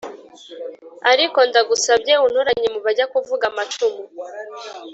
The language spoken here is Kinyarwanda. ariko ndagusabye untoranye mubajya kuvuga amacumu"